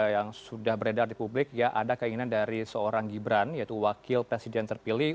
yang sudah beredar di publik ya ada keinginan dari seorang gibran yaitu wakil presiden terpilih